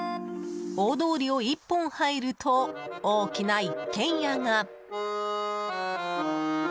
大通りを１本入ると大きな一軒家が。